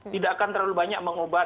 tidak akan terlalu banyak mengobat